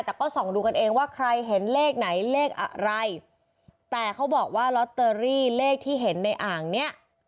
แต่ก็ส่องดูกันเองว่าใครเห็นเลขไหนเลขอะไรแต่เขาบอกว่าลอตเตอรี่เลขที่เห็นในอ่างเนี้ย